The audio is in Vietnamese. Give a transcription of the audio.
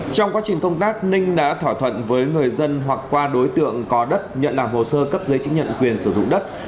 trong quá trình công tác ninh đã thỏa thuận với người dân hoặc qua đối tượng có đất nhận làm hồ sơ cấp giấy chứng nhận quyền sử dụng đất